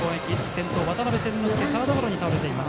先頭、渡邉千之亮はサードゴロに倒れています。